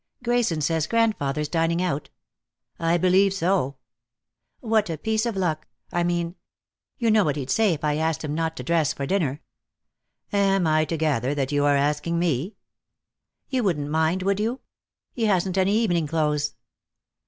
"Grayson says grandfather's dining out." "I believe so." "What a piece of luck! I mean you know what he'd say if I asked him not to dress for dinner." "Am I to gather that you are asking me?" "You wouldn't mind, would you? He hasn't any evening clothes."